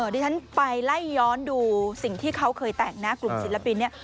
ดิฉันไปไล่ย้อนดูสิ่งที่เขาเคยแต่งนะกลุ่มศิลปินเนี่ย